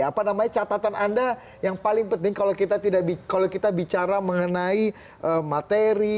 apa namanya catatan anda yang paling penting kalau kita bicara mengenai materi